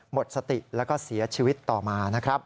หมดสติแล้วก็เสียชีวิตต่อมานะครับ